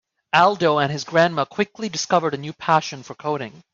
Aldo and his grandma quickly discovered a new passion for coding.